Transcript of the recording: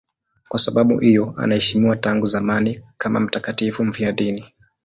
Kwa sababu hiyo anaheshimiwa tangu zamani kama mtakatifu mfiadini.